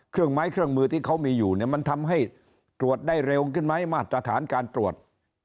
ไม้เครื่องมือที่เขามีอยู่เนี่ยมันทำให้ตรวจได้เร็วขึ้นไหมมาตรฐานการตรวจ